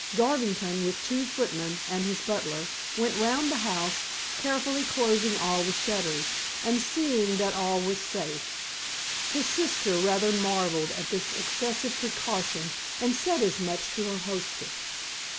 Garvington, with two footmen, and his butler, went round the house, carefully closing all the shutters, and seeing that all was safe. His sister rather marvelled at this excessive precaution, and said as much to her hostess.